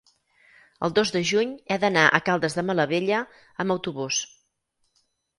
el dos de juny he d'anar a Caldes de Malavella amb autobús.